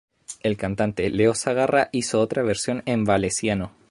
El cantante Leo Segarra hizo otra versión en valenciano.